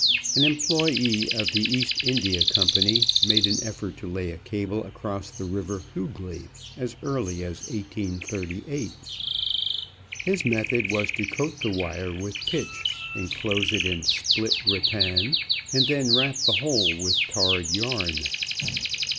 An employee of the East India Company made an effort to lay a cable across the river Hugli as early as 1838. His method was to coat the wire with pitch inclose it in split rattan, and then wrap the whole with tarred yarn.